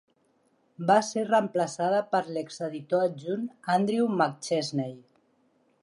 Va ser reemplaçada per l'exeditor adjunt Andrew McChesney.